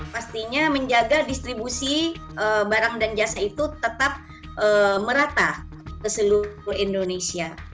pastinya menjaga distribusi barang dan jasa itu tetap merata ke seluruh indonesia